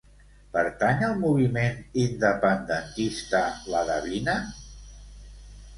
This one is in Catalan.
Pertany al moviment independentista la Davina?